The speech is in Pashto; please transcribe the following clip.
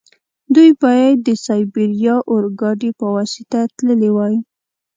دوی باید د سایبیریا اورګاډي په واسطه تللي وای.